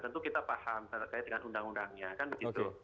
tentu kita paham terkait dengan undang undangnya kan begitu